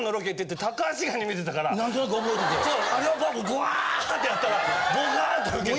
グワ！ってやったらボカーンってウケて。